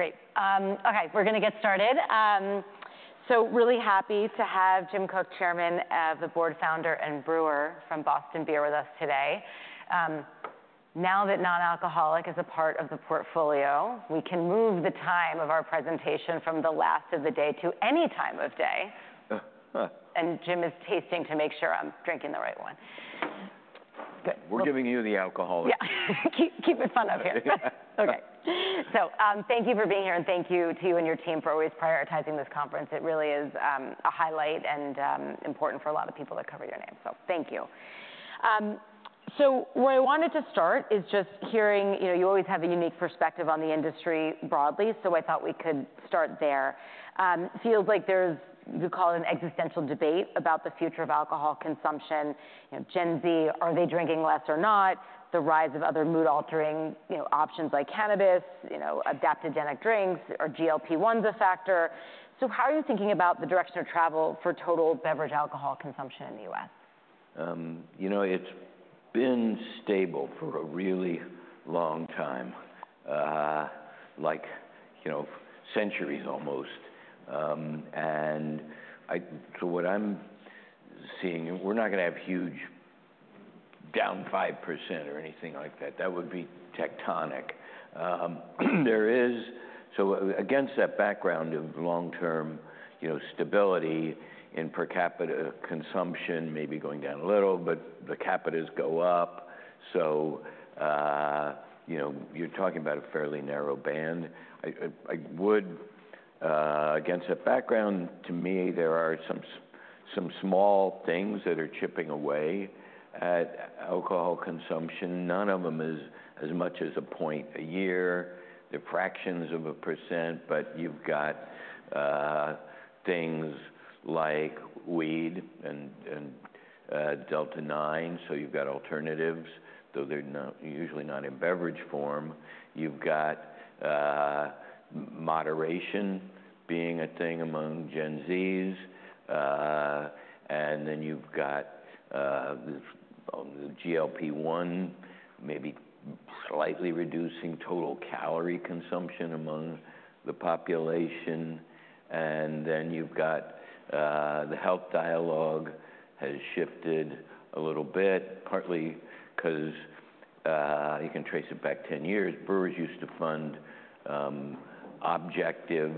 Okay, great. Okay, we're gonna get started. So really happy to have Jim Koch, Chairman of the Board, Founder, and brewer from Boston Beer with us today. Now that non-alcoholic is a part of the portfolio, we can move the time of our presentation from the last of the day to any time of day. Jim is tasting to make sure I'm drinking the right one. Okay. We're giving you the alcoholic. Yeah. Keep it fun out here. Yeah. Okay. So, thank you for being here, and thank you to you and your team for always prioritizing this conference. It really is a highlight and important for a lot of people that cover your name, so thank you. So what I wanted to start is just hearing. You know, you always have a unique perspective on the industry broadly, so I thought we could start there. Feels like there's, you call it, an existential debate about the future of alcohol consumption. You know, Gen Z, are they drinking less or not? The rise of other mood-altering, you know, options like cannabis, you know, adaptogenic drinks or GLP-1s, a factor. So how are you thinking about the direction of travel for total beverage alcohol consumption in the U.S.? You know, it's been stable for a really long time, like, you know, centuries almost. So what I'm seeing, we're not gonna have huge, down 5% or anything like that. That would be tectonic. There is... So against that background of long-term, you know, stability in per capita consumption, maybe going down a little, but the capitas go up, so, you know, you're talking about a fairly narrow band. I would, against that background, to me, there are some small things that are chipping away at alcohol consumption. None of them is as much as a point a year. They're fractions of a percent, but you've got, things like weed and Delta-9, so you've got alternatives, though they're usually not in beverage form. You've got moderation being a thing among Gen Zs. And then you've got GLP-1, maybe slightly reducing total calorie consumption among the population. And then you've got the health dialogue has shifted a little bit, partly 'cause you can trace it back 10 years. Brewers used to fund objective,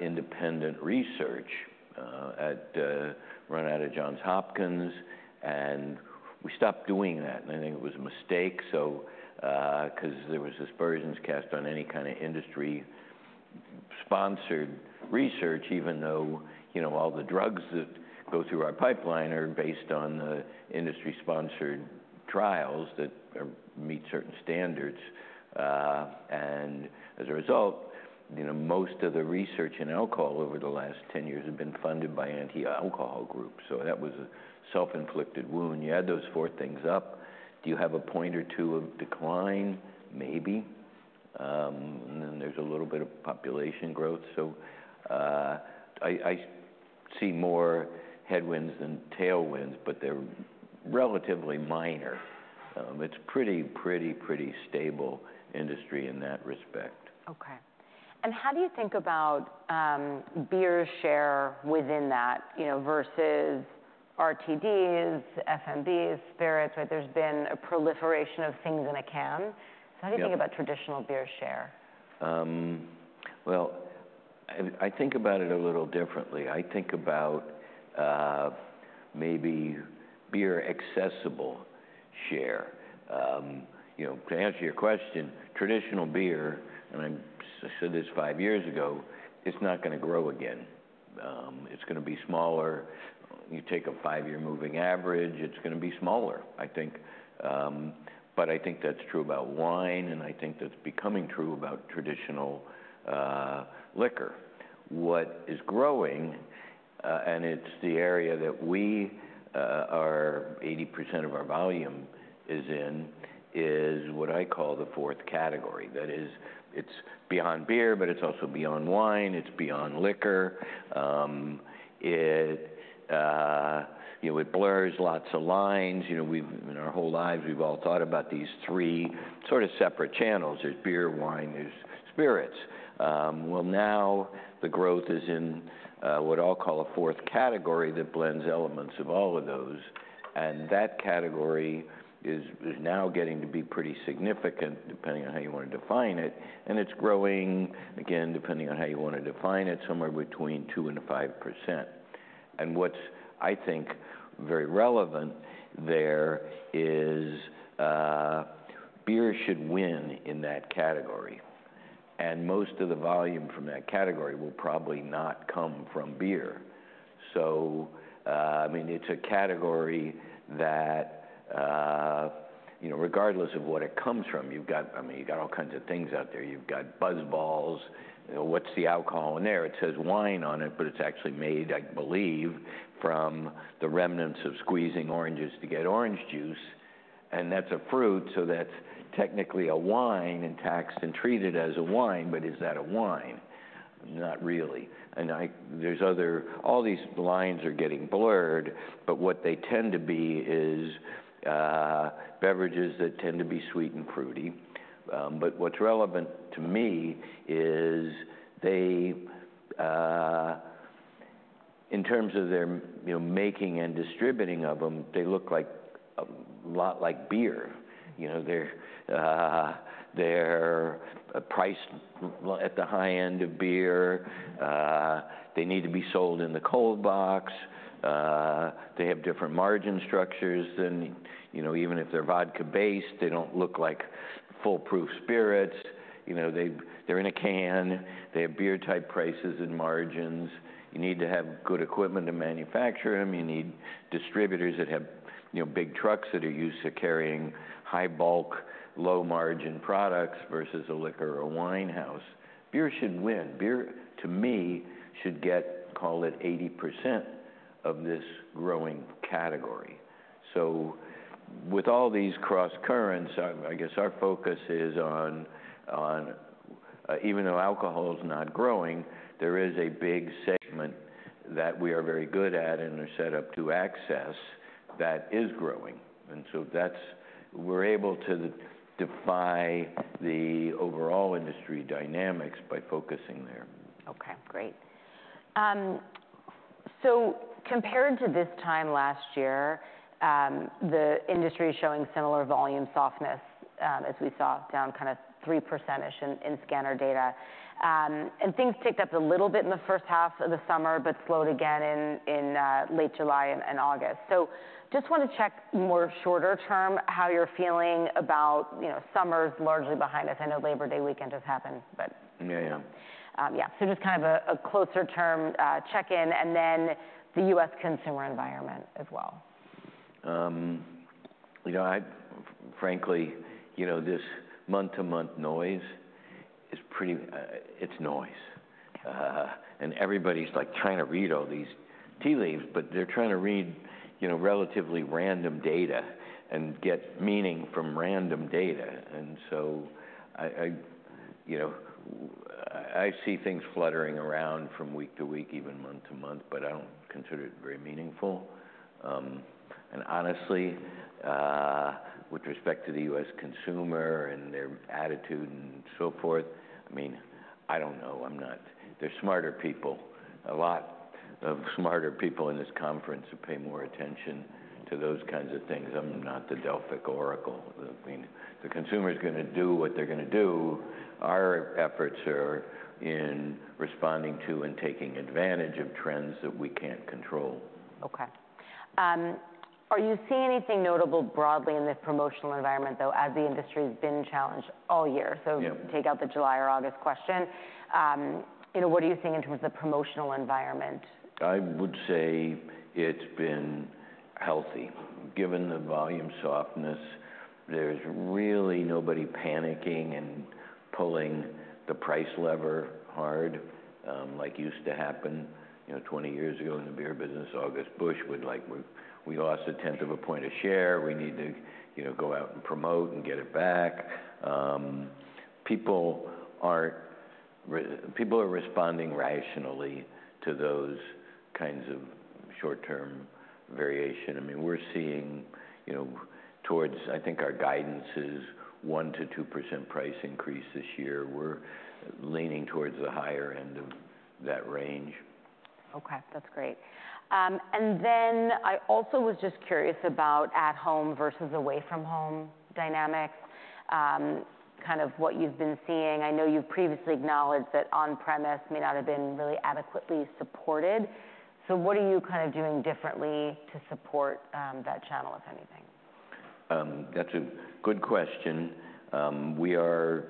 independent research at run out of Johns Hopkins, and we stopped doing that, and I think it was a mistake. So, 'cause there was aspersions cast on any kind of industry-sponsored research, even though, you know, all the drugs that go through our pipeline are based on industry-sponsored trials that meet certain standards. And as a result, you know, most of the research in alcohol over the last ten years have been funded by anti-alcohol groups, so that was a self-inflicted wound. You add those four things up, do you have a point or two of decline? Maybe, and then there's a little bit of population growth, so I see more headwinds than tailwinds, but they're relatively minor. It's pretty stable industry in that respect. Okay. And how do you think about, beer share within that, you know, versus RTDs, FMBs, spirits, right? There's been a proliferation of things in a can. Yep. How do you think about traditional beer share? Well, I think about it a little differently. I think about maybe beer accessible share. You know, to answer your question, traditional beer, and I said this five years ago, it's not gonna grow again. It's gonna be smaller. You take a five-year moving average, it's gonna be smaller. I think, but I think that's true about wine, and I think that's becoming true about traditional liquor. What is growing, and it's the area that we are 80% of our volume is in, is what I call the fourth category. That is, it's beyond beer, but it's also beyond wine, it's beyond liquor. It you know, it blurs lots of lines. You know, in our whole lives, we've all thought about these three sort of separate channels. There's beer, wine, there's spirits. Well, now the growth is in what I'll call a fourth category that blends elements of all of those, and that category is now getting to be pretty significant, depending on how you want to define it, and it's growing, again, depending on how you want to define it, somewhere between 2% and 5%. And what's, I think, very relevant there is, beer should win in that category, and most of the volume from that category will probably not come from beer. So, I mean, it's a category that, you know, regardless of what it comes from, you've got... I mean, you've got all kinds of things out there. You've got BuzzBallz. You know, what's the alcohol in there? It says wine on it, but it's actually made, I believe, from the remnants of squeezing oranges to get orange juice, and that's a fruit, so that's technically a wine and taxed and treated as a wine, but is that a wine? Not really. All these lines are getting blurred, but what they tend to be is beverages that tend to be sweet and fruity. But what's relevant to me is they, in terms of their, you know, making and distributing of them, they look a lot like beer. You know, they're priced at the high end of beer. They need to be sold in the cold box. They have different margin structures than. You know, even if they're vodka-based, they don't look like foolproof spirits. You know, they, they're in a can, they have beer-type prices and margins. You need to have good equipment to manufacture them. You need distributors that have, you know, big trucks that are used to carrying high bulk, low margin products versus a liquor or wine house. Beer should win. Beer, to me, should get, call it, 80% of this growing category, so with all these crosscurrents, I guess our focus is on even though alcohol is not growing, there is a big segment that we are very good at and are set up to access, that is growing, and so that's... We're able to defy the overall industry dynamics by focusing there. Okay, great, so compared to this time last year, the industry is showing similar volume softness, as we saw, down kind of 3% in scanner data, and things ticked up a little bit in the first half of the summer, but slowed again in late July and August, so just want to check more shorter term, how you're feeling about, you know, summer's largely behind us. I know Labor Day weekend just happened, but- Yeah, yeah. Yeah. So just kind of a closer term check-in, and then the U.S. consumer environment as well. You know, I frankly, you know, this month-to-month noise is pretty. It's noise. And everybody's, like, trying to read all these tea leaves, but they're trying to read, you know, relatively random data and get meaning from random data. And so I, you know, I see things fluttering around from week to week, even month to month, but I don't consider it very meaningful. And honestly, with respect to the U.S. consumer and their attitude and so forth, I mean, I don't know. I'm not. There's smarter people, a lot of smarter people in this conference who pay more attention to those kinds of things. I'm not the Delphic oracle. I mean, the consumer is gonna do what they're gonna do. Our efforts are in responding to and taking advantage of trends that we can't control. Okay. Are you seeing anything notable broadly in this promotional environment, though, as the industry's been challenged all year? Yeah. So take out the July or August question. You know, what are you seeing in terms of promotional environment? I would say it's been healthy. Given the volume softness, there's really nobody panicking and pulling the price lever hard, like used to happen, you know, twenty years ago in the beer business. August Busch would like... We lost a tenth of a point of share, we need to, you know, go out and promote and get it back. People are responding rationally to those kinds of short-term variation. I mean, we're seeing, you know, towards... I think our guidance is 1%-2% price increase this year. We're leaning towards the higher end of that range. Okay, that's great. And then I also was just curious about at-home versus away-from-home dynamics, kind of what you've been seeing. I know you've previously acknowledged that on-premise may not have been really adequately supported. So what are you kind of doing differently to support, that channel, if anything? That's a good question. We are.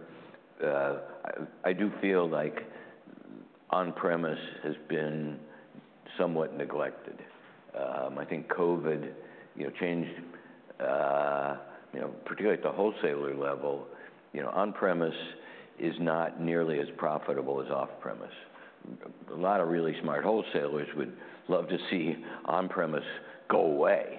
I do feel like on-premise has been somewhat neglected. I think COVID, you know, changed, you know, particularly at the wholesaler level, you know, on-premise is not nearly as profitable as off-premise. A lot of really smart wholesalers would love to see on-premise go away.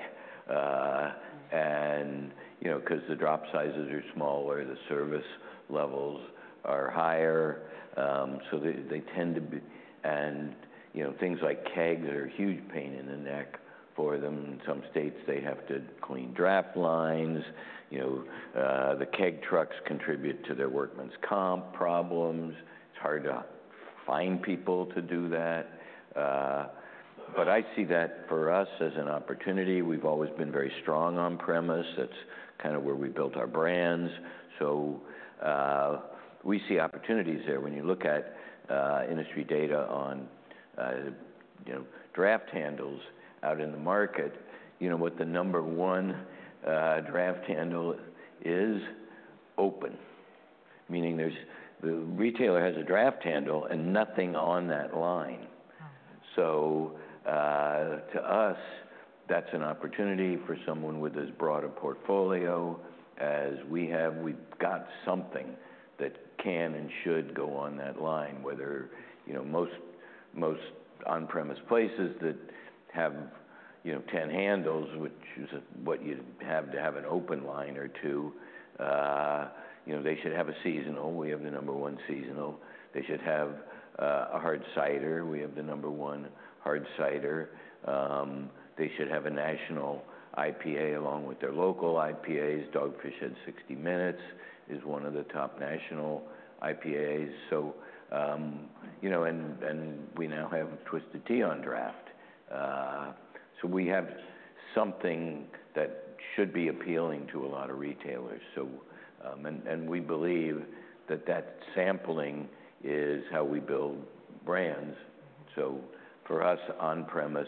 And, you know, because the drop sizes are smaller, the service levels are higher, so they tend to be, and, you know, things like kegs are a huge pain in the neck for them. In some states, they have to clean draft lines. You know, the keg trucks contribute to their workmen's comp problems. It is hard to find people to do that, but I see that, for us, as an opportunity. We have always been very strong on-premise. That is kind of where we built our brands. So, we see opportunities there. When you look at industry data on, you know, draft handles out in the market, you know, what the number one draft handle is open, meaning there is the retailer has a draft handle and nothing on that line. To us, that's an opportunity for someone with as broad a portfolio as we have. We've got something that can and should go on that line, whether, you know, most on-premise places that have, you know, 10 handles, which is what you'd have to have an open line or two, you know, they should have a seasonal. We have the number one seasonal. They should have a hard cider. We have the number one hard cider. They should have a national IPA along with their local IPAs. Dogfish Head 60 Minute is one of the top national IPAs. So, you know, and we now have Twisted Tea on draft. So we have something that should be appealing to a lot of retailers. So, and we believe that that sampling is how we build brands. So for us, on-premise,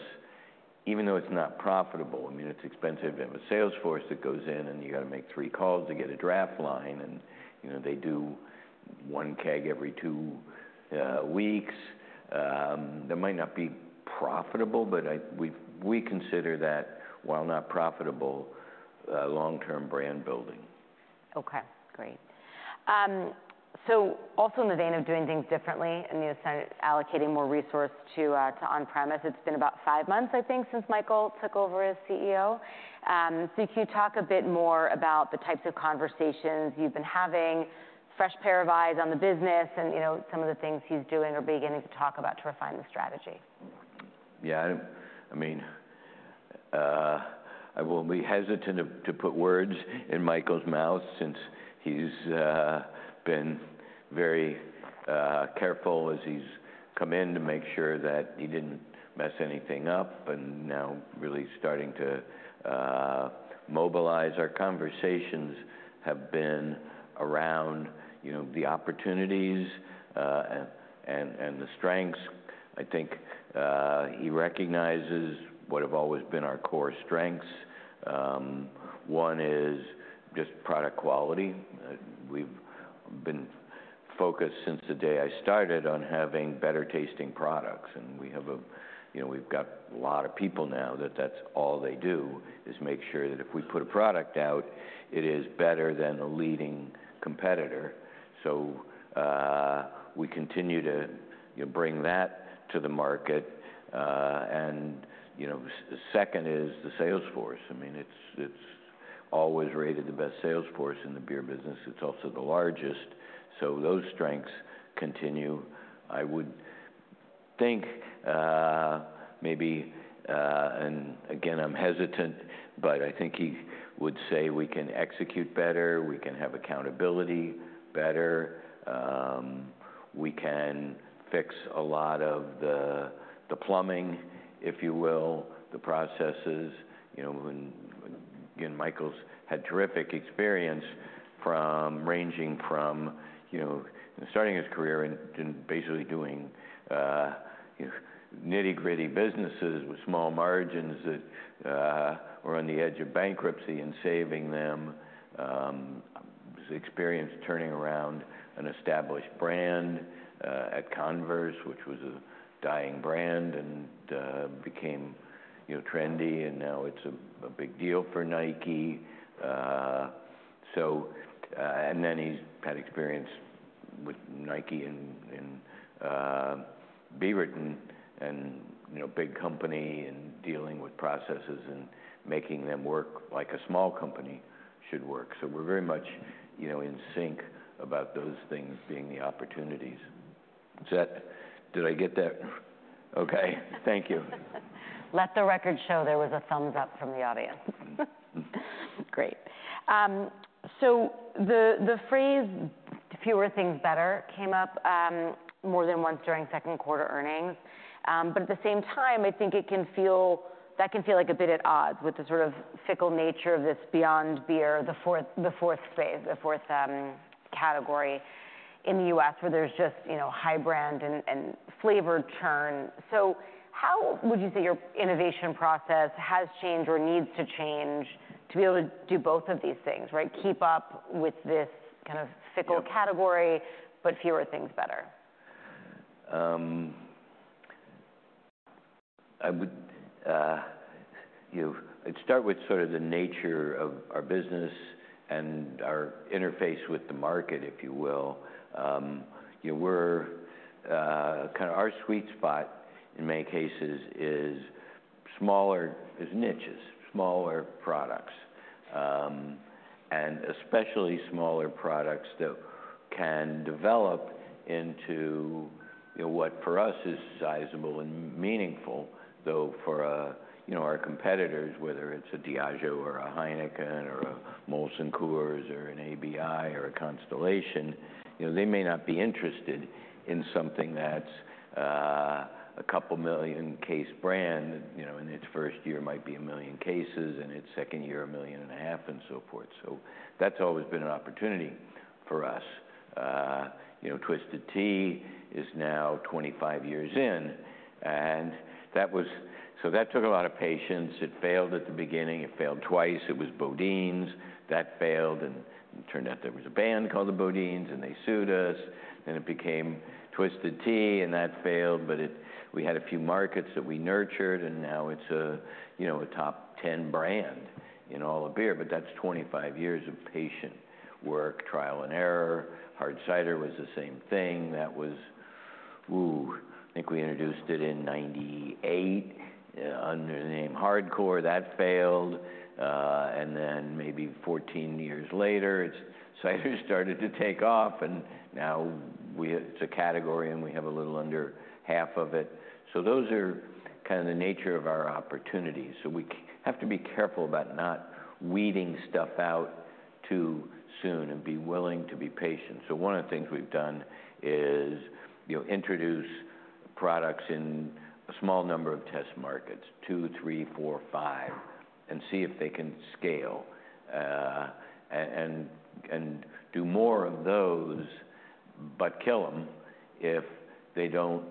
even though it's not profitable, I mean, it's expensive. You have a sales force that goes in, and you've got to make three calls to get a draft line, and, you know, they do one keg every two weeks. That might not be profitable, but we consider that, while not profitable, long-term brand building. Okay, great. So also in the vein of doing things differently, in the sense allocating more resource to on-premise, it's been about five months, I think, since Michael took over as CEO. So can you talk a bit more about the types of conversations you've been having, fresh pair of eyes on the business, and, you know, some of the things he's doing or beginning to talk about to refine the strategy? Yeah, I mean, I will be hesitant to put words in Michael's mouth since he's been very careful as he's come in to make sure that he didn't mess anything up, and now really starting to mobilize. Our conversations have been around, you know, the opportunities and the strengths. I think he recognizes what have always been our core strengths. One is just product quality. We've been focused since the day I started on having better tasting products, and we have a. You know, we've got a lot of people now that that's all they do, is make sure that if we put a product out, it is better than the leading competitor. So, we continue to, you know, bring that to the market. And, you know, second is the sales force. I mean, it's always rated the best sales force in the beer business. It's also the largest, so those strengths continue. I would think, maybe, and again, I'm hesitant, but I think he would say we can execute better, we can have accountability better, we can fix a lot of the plumbing, if you will, the processes. You know, when again, Michael's had terrific experience from ranging from, you know, starting his career and basically doing, you know, nitty-gritty businesses with small margins that were on the edge of bankruptcy and saving them. His experience turning around an established brand at Converse, which was a dying brand, and became, you know, trendy, and now it's a big deal for Nike. So, and then he's had experience with Nike and Beaverton, and you know, big company and dealing with processes and making them work like a small company should work. So we're very much, you know, in sync about those things being the opportunities. Is that... Did I get that? Okay, thank you. Let the record show there was a thumbs up from the audience. Great. So the phrase, "fewer things better" came up more than once during second quarter earnings. But at the same time, I think that can feel like a bit at odds with the sort of fickle nature of this beyond beer, the fourth category in the U.S., where there's just, you know, high brand and flavor churn. So how would you say your innovation process has changed or needs to change to be able to do both of these things, right? Keep up with this kind of fickle category, but fewer things better. I would, you know, I'd start with sort of the nature of our business and our interface with the market, if you will. We're kind of our sweet spot, in many cases, is smaller niches, smaller products. And especially smaller products that can develop into, you know, what for us is sizable and meaningful, though for, you know, our competitors, whether it's a Diageo or a Heineken or a Molson Coors or an ABI or a Constellation, you know, they may not be interested in something that's, a couple million case brand. You know, in its first year, it might be a million cases, in its second year, a million and a half, and so forth. So that's always been an opportunity for us. You know, Twisted Tea is now 25 years in, and that was... That took a lot of patience. It failed at the beginning. It failed twice. It was BoDeans, that failed, and it turned out there was a band called the BoDeans, and they sued us. Then it became Twisted Tea, and that failed, but we had a few markets that we nurtured, and now it's a, you know, a top 10 brand... in all of beer, but that's 25 years of patient work, trial and error. Hard cider was the same thing. That was, I think we introduced it in 1998 under the name Hardcore. That failed, and then maybe 14 years later, its cider started to take off, and now it's a category, and we have a little under half of it. So those are kind of the nature of our opportunities. So we have to be careful about not weeding stuff out too soon, and be willing to be patient. So one of the things we've done is, you know, introduce products in a small number of test markets, two, three, four, five, and see if they can scale. And do more of those, but kill them if they don't,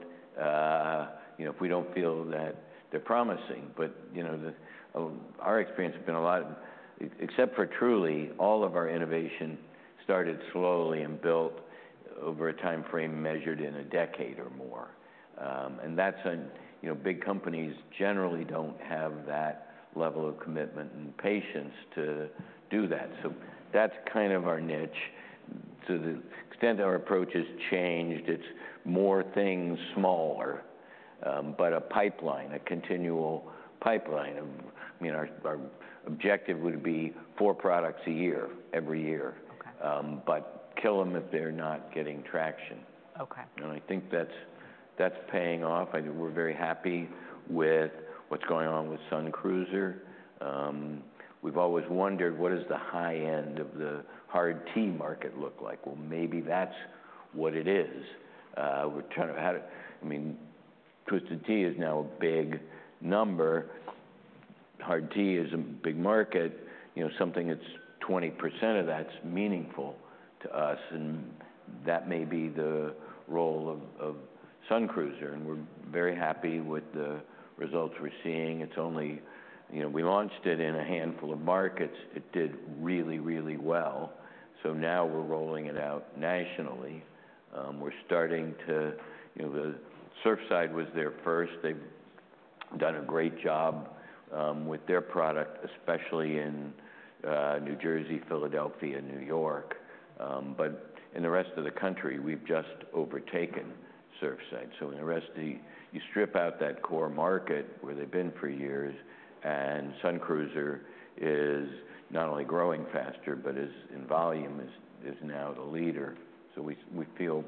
you know, if we don't feel that they're promising. But, you know, our experience has been a lot... except for Truly, all of our innovation started slowly and built over a time frame measured in a decade or more. And that's, you know, big companies generally don't have that level of commitment and patience to do that, so that's kind of our niche. To the extent our approach has changed, it's more things smaller, but a pipeline, a continual pipeline of... I mean, our objective would be four products a year, every year. Okay. But kill them if they're not getting traction. Okay. I think that's, that's paying off, and we're very happy with what's going on with Sun Cruiser. We've always wondered, what is the high end of the hard tea market look like? Maybe that's what it is. I mean, Twisted Tea is now a big number. Hard tea is a big market, you know, something that's 20% of that's meaningful to us, and that may be the role of Sun Cruiser, and we're very happy with the results we're seeing. It's only. You know, we launched it in a handful of markets. It did really, really well, so now we're rolling it out nationally. You know, the Surfside was there first. They've done a great job with their product, especially in New Jersey, Philadelphia, and New York. But in the rest of the country, we've just overtaken Surfside. So in the rest of the... You strip out that core market where they've been for years, and Sun Cruiser is not only growing faster, but is, in volume, now the leader. So we feel,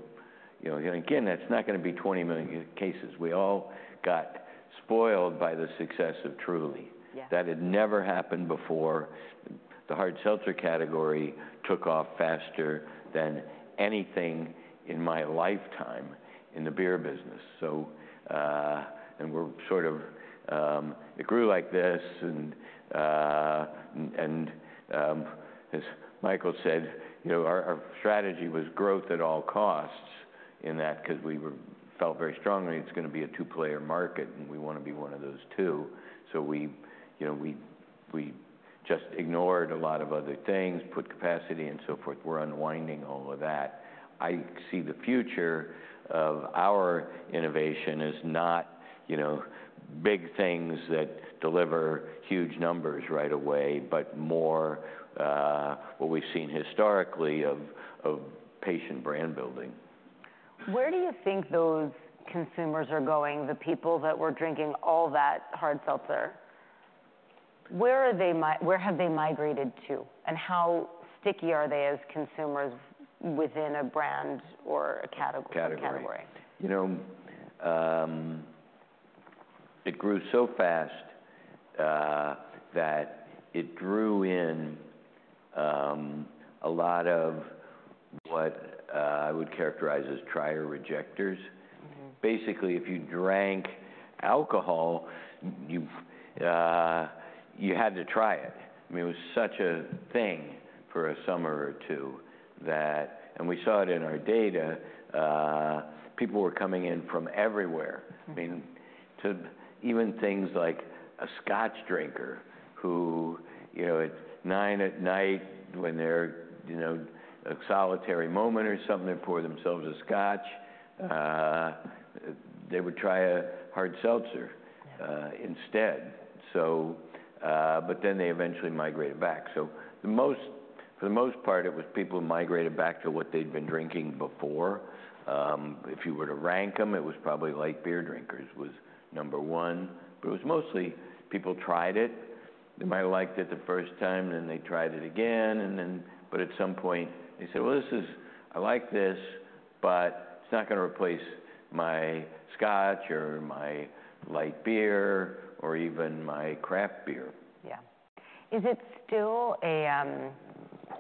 you know, and again, that's not gonna be twenty million cases. We all got spoiled by the success of Truly. Yeah. That had never happened before. The hard seltzer category took off faster than anything in my lifetime in the beer business. So, and we're sort of, it grew like this, and, as Michael said, you know, our strategy was growth at all costs in that, 'cause we felt very strongly it's gonna be a two-player market, and we want to be one of those two. So we, you know, we just ignored a lot of other things, put capacity and so forth. We're unwinding all of that. I see the future of our innovation as not, you know, big things that deliver huge numbers right away, but more, what we've seen historically of patient brand building. Where do you think those consumers are going, the people that were drinking all that hard seltzer? Where are they where have they migrated to, and how sticky are they as consumers within a brand or a category? Category. You know, it grew so fast that it drew in a lot of what I would characterize as trier rejectors. Basically, if you drank alcohol, you've, you had to try it. I mean, it was such a thing for a summer or two, that, and we saw it in our data, people were coming in from everywhere I mean, to even things like a scotch drinker, who, you know, at nine at night, when they're, you know, a solitary moment or something, they pour themselves a scotch, they would try a hard seltzer instead, but then they eventually migrated back. So for the most part, it was people who migrated back to what they'd been drinking before. If you were to rank them, it was probably light beer drinkers was number one, but it was mostly people tried it, they might have liked it the first time, then they tried it again, and then... But at some point they said, "Well, this is... I like this, but it's not gonna replace my scotch, or my light beer, or even my craft beer. Yeah. Is it still a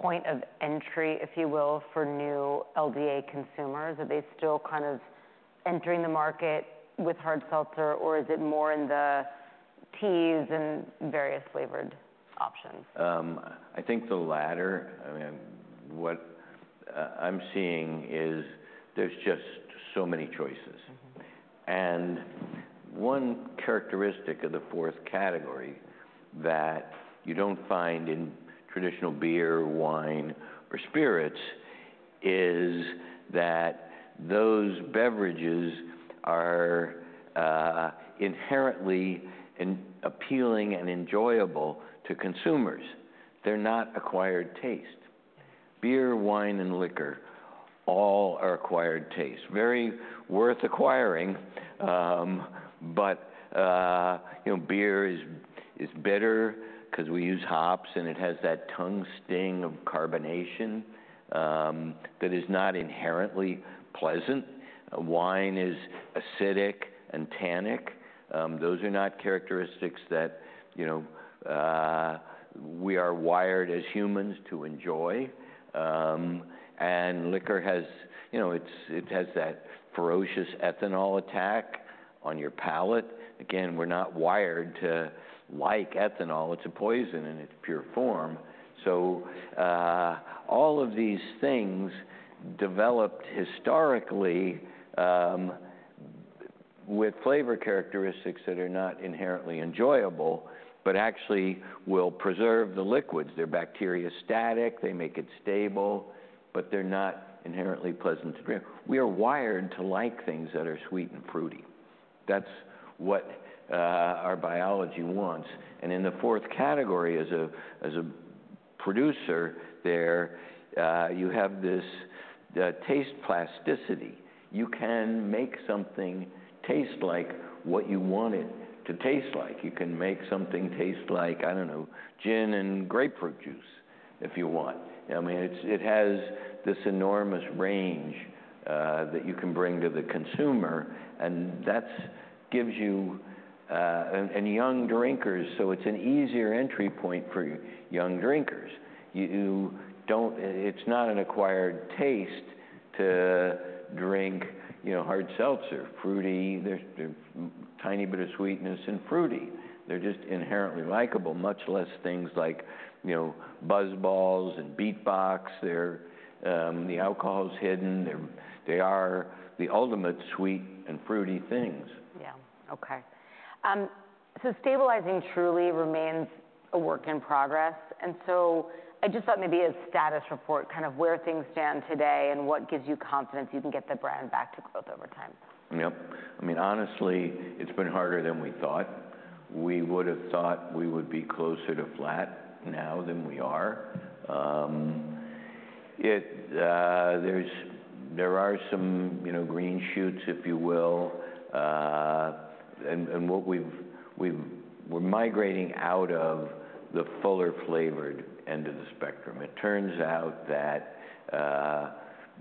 point of entry, if you will, for new LDA consumers? Are they still kind of entering the market with hard seltzer, or is it more in the teas and various flavored options? I think the latter. I mean, what I'm seeing is there's just so many choices. One characteristic of the fourth category that you don't find in traditional beer, wine, or spirits is that those beverages are inherently appealing and enjoyable to consumers. They're not acquired taste. Beer, wine, and liquor, all are acquired taste. Very worth acquiring, but you know, beer is bitter 'cause we use hops, and it has that tongue sting of carbonation that is not inherently pleasant. Wine is acidic and tannic. Those are not characteristics that you know we are wired as humans to enjoy. And liquor has you know it has that ferocious ethanol attack on your palate. Again, we're not wired to like ethanol. It's a poison in its pure form. So all of these things developed historically with flavor characteristics that are not inherently enjoyable, but actually will preserve the liquids. They're bacteriostatic, they make it stable, but they're not inherently pleasant to drink. We are wired to like things that are sweet and fruity. That's what our biology wants. And in the fourth category, as a producer there, you have this, the taste plasticity. You can make something taste like what you want it to taste like. You can make something taste like, I don't know, gin and grapefruit juice if you want. I mean, it's, it has this enormous range that you can bring to the consumer, and that's gives you. And young drinkers, so it's an easier entry point for young drinkers. You don't. It's not an acquired taste to drink, you know, hard seltzer, fruity. There's a tiny bit of sweetness and fruity. They're just inherently likable, much less things like, you know, BuzzBallz and BeatBox. They're the alcohol is hidden. They're, they are the ultimate sweet and fruity things. Yeah. Okay. So stabilizing Truly remains a work in progress, and so I just thought maybe a status report, kind of where things stand today and what gives you confidence you can get the brand back to growth over time? Yep. I mean, honestly, it's been harder than we thought. We would've thought we would be closer to flat now than we are. It, there's, there are some, you know, green shoots, if you will, and what we've - we're migrating out of the fuller flavored end of the spectrum. It turns out that,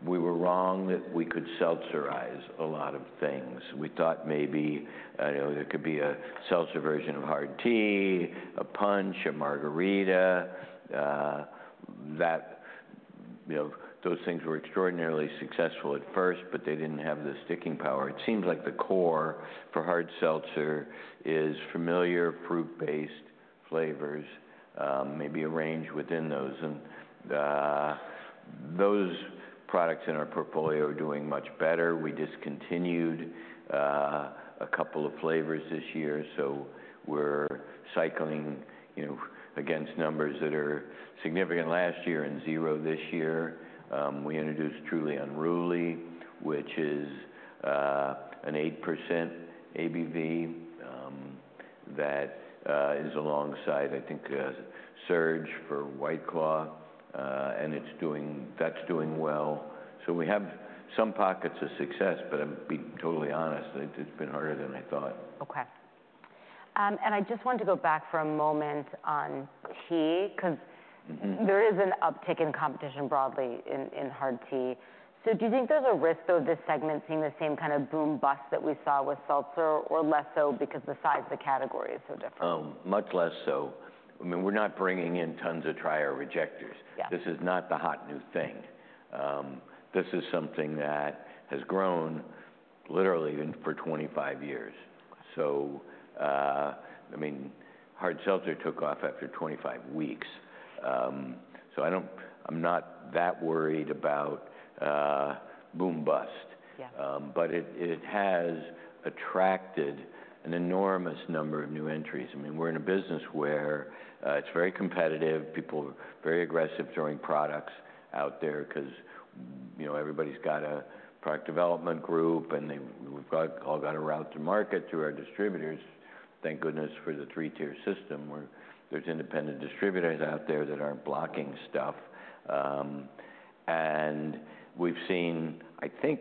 we were wrong, that we could seltzerize a lot of things. We thought maybe, you know, there could be a seltzer version of hard tea, a punch, a margarita. That, you know, those things were extraordinarily successful at first, but they didn't have the sticking power. It seems like the core for hard seltzer is familiar, fruit-based flavors, maybe a range within those. And, those products in our portfolio are doing much better. We discontinued a couple of flavors this year, so we're cycling, you know, against numbers that are significant last year and zero this year. We introduced Truly Unruly, which is an 8% ABV, that is alongside, I think, a Surge for White Claw, and it's doing... That's doing well. So we have some pockets of success, but I'm being totally honest, it, it's been harder than I thought. Okay. And I just wanted to go back for a moment on tea, 'cause-there is an uptick in competition broadly in hard tea. So do you think there's a risk of this segment seeing the same kind of boom bust that we saw with seltzer, or less so because the size of the category is so different? Much less so. I mean, we're not bringing in tons of trier rejecters. Yeah. This is not the hot new thing. This is something that has grown literally for 25 years. So, I mean, hard seltzer took off after 25 weeks. So I don't. I'm not that worried about boom bust. Yeah. But it has attracted an enormous number of new entries. I mean, we're in a business where it's very competitive. People are very aggressive throwing products out there, 'cause you know everybody's got a product development group, and we've all got a route to market through our distributors. Thank goodness for the three-tier system, where there's independent distributors out there that aren't blocking stuff, and we've seen, I think,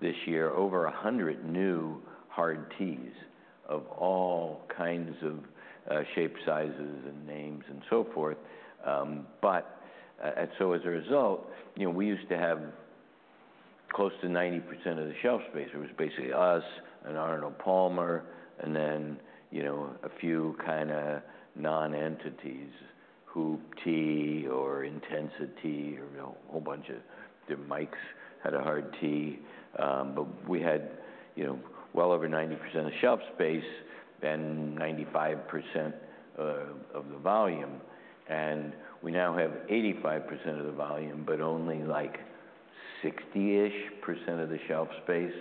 this year, over 100 new hard teas of all kinds of shapes, sizes, and names, and so forth, and so as a result, you know, we used to have close to 90% of the shelf space. It was basically us and Arnold Palmer and then, you know, a few kinda non-entities, Hoop Tea or Intensity or, you know, a whole bunch of... Mike's had a hard tea. But we had, you know, well over 90% of the shelf space and 95% of the volume, and we now have 85% of the volume, but only 60%-ish of the shelf space.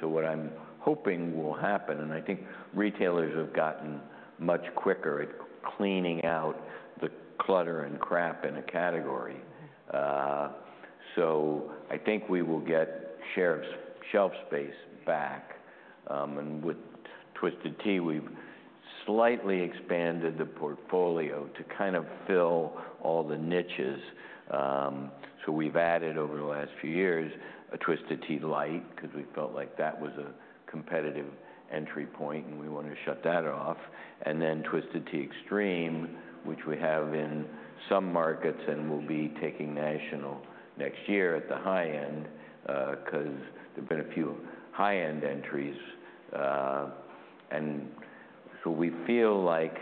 So what I'm hoping will happen, and I think retailers have gotten much quicker at cleaning out the clutter and crap in a category. So I think we will get share of shelf space back. And with Twisted Tea, we've slightly expanded the portfolio to kind of fill all the niches. So we've added, over the last few years, a Twisted Tea Light, 'cause we felt like that was a competitive entry point, and we want to shut that off. And then Twisted Tea Extreme, which we have in some markets and will be taking national next year at the high end, 'cause there've been a few high-end entries. And so we feel like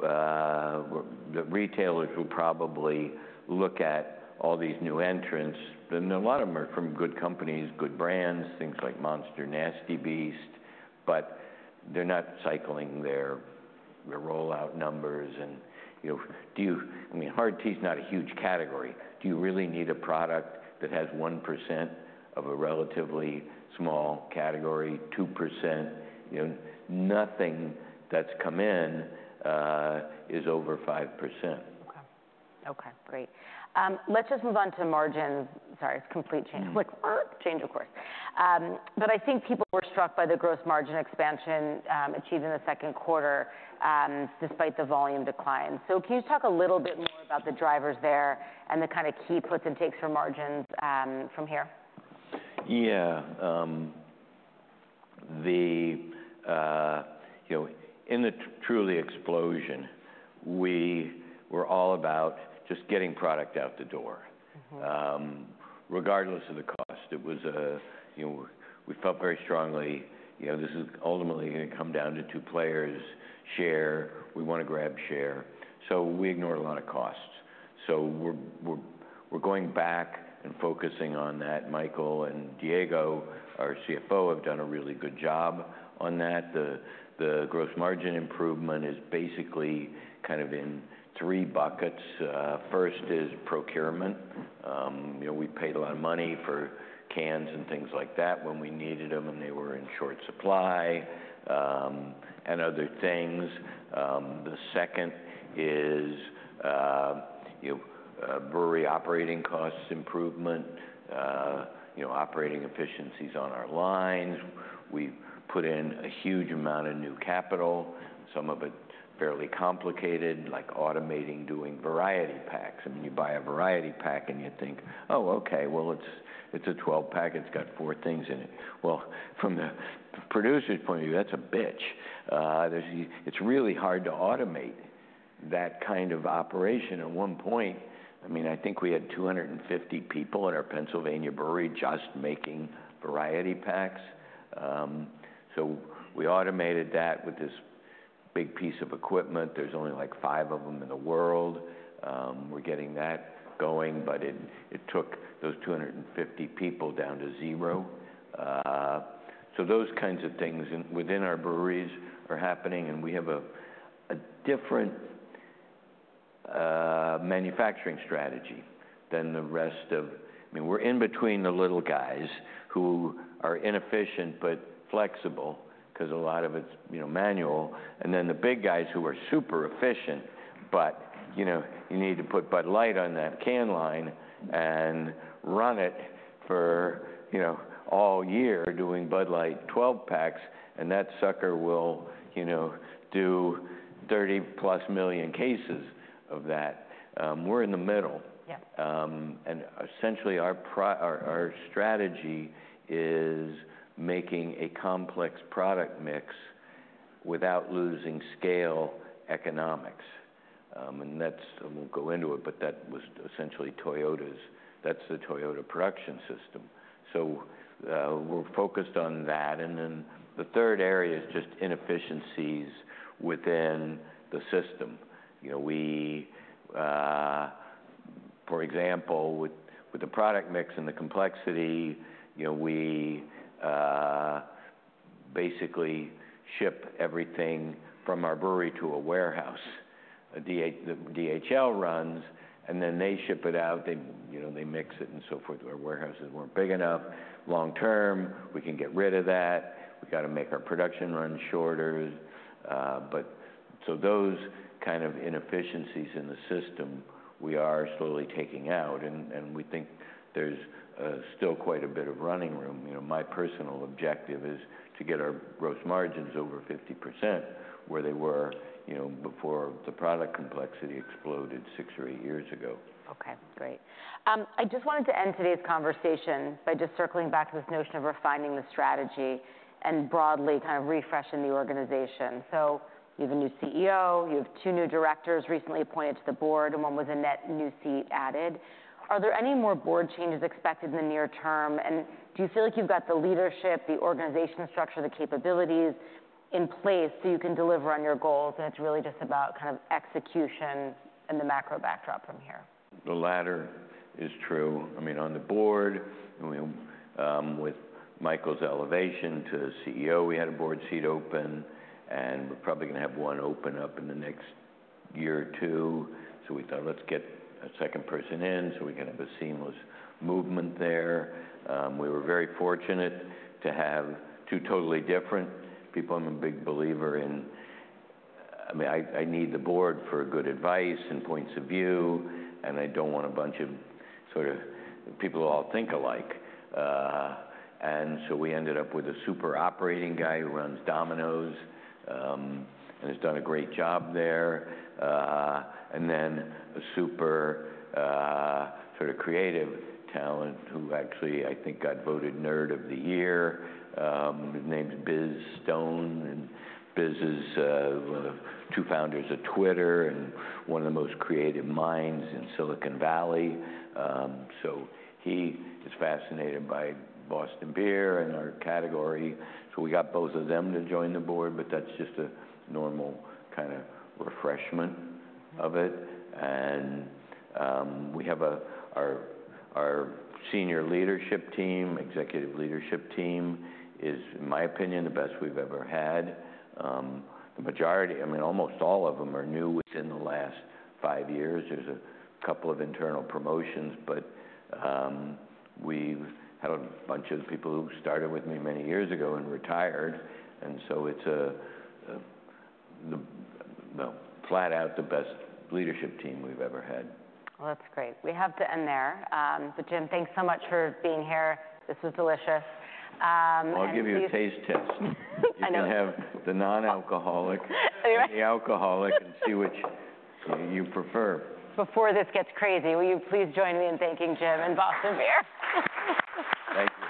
the retailers will probably look at all these new entrants, and a lot of them are from good companies, good brands, things like Monster Nasty Beast, but they're not cycling their rollout numbers. And, you know, do you? I mean, hard tea is not a huge category. Do you really need a product that has 1% of a relatively small category, 2%? You know, nothing that's come in is over 5%. Okay. Okay, great. Let's just move on to margins. Sorry, it's a complete change, like, change of course. But I think people were struck by the gross margin expansion, achieved in the second quarter, despite the volume decline. So can you talk a little bit more about the drivers there and the kind of key puts and takes for margins, from here? Yeah, you know, in the Truly explosion, we were all about just getting product out the door-regardless of the cost. It was, you know, we felt very strongly, you know, this is ultimately gonna come down to two players, share, we wanna grab share, so we ignored a lot of costs. So we're going back and focusing on that. Michael and Diego, our CFO, have done a really good job on that. The gross margin improvement is basically kind of in three buckets. First is procurement. You know, we paid a lot of money for cans and things like that when we needed them, and they were in short supply, and other things. The second is, you know, brewery operating costs improvement, you know, operating efficiencies on our lines. We've put in a huge amount of new capital, some of it fairly complicated, like automating doing variety packs. I mean, you buy a variety pack, and you think, "Oh, okay, well, it's a 12-pack, it's got four things in it." Well, from the producer's point of view, that's a bitch. It's really hard to automate that kind of operation. At one point, I mean, I think we had 250 people in our Pennsylvania brewery just making variety packs. So we automated that with this big piece of equipment. There's only, like, five of them in the world. We're getting that going, but it took those 250 people down to zero. So those kinds of things within our breweries are happening, and we have a different manufacturing strategy than the rest of... I mean, we're in between the little guys, who are inefficient but flexible, 'cause a lot of it's, you know, manual, and then the big guys, who are super efficient, but, you know, you need to put Bud Light on that can line and run it for, you know, all year doing Bud Light 12 packs, and that sucker will, you know, do 30-plus million cases of that. We're in the middle. And essentially, our strategy is making a complex product mix without losing scale economics. And that's. I won't go into it, but that was essentially Toyota's. That's the Toyota production system. So, we're focused on that, and then the third area is just inefficiencies within the system. You know, for example, with the product mix and the complexity, you know, we basically ship everything from our brewery to a warehouse. The DHL runs, and then they ship it out, they, you know, they mix it, and so forth. Our warehouses weren't big enough. Long term, we can get rid of that. We've got to make our production runs shorter. But so those kind of inefficiencies in the system, we are slowly taking out, and we think there's still quite a bit of running room. You know, my personal objective is to get our gross margins over 50%, where they were, you know, before the product complexity exploded six or eight years ago. Okay, great. I just wanted to end today's conversation by just circling back to this notion of refining the strategy and broadly kind of refreshing the organization. So you have a new CEO, you have two new directors recently appointed to the board, and one was a net new seat added. Are there any more board changes expected in the near term? And do you feel like you've got the leadership, the organizational structure, the capabilities in place so you can deliver on your goals, and it's really just about kind of execution and the macro backdrop from here? The latter is true. I mean, on the board, with Michael's elevation to CEO, we had a board seat open, and we're probably gonna have one open up in the next year or two. So we thought, let's get a second person in so we can have a seamless movement there. We were very fortunate to have two totally different people. I'm a big believer in. I mean, I need the board for good advice and points of view, and I don't want a bunch of sort of people who all think alike, and so we ended up with a super operating guy who runs Domino's, and has done a great job there. And then a super sort of creative talent who actually I think got voted Nerd of the Year named Biz Stone, and Biz is one of the two founders of Twitter and one of the most creative minds in Silicon Valley. So he is fascinated by Boston Beer and our category. So we got both of them to join the board, but that's just a normal kind of refreshment of it. And we have our senior leadership team, executive leadership team is, in my opinion, the best we've ever had. The majority, I mean, almost all of them are new within the last five years. There's a couple of internal promotions, but, we've had a bunch of people who started with me many years ago and retired, and so it's well, flat out the best leadership team we've ever had. That's great. We have to end there, but Jim, thanks so much for being here. This was delicious, and- I'll give you a taste test. I know. You can have the non-alcoholic the alcoholic, and see which one you prefer. Before this gets crazy, will you please join me in thanking Jim and Boston Beer? Thank you.